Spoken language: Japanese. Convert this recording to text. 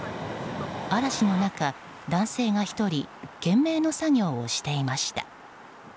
嵐の中、男性が１人懸命の作業をしていました。